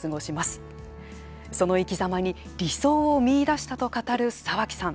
その生きざまに理想を見いだしたと語る沢木さん。